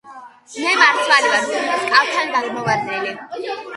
მე მარცვალი ვარ, უფლის კალთიდან გადმოვარდნილი.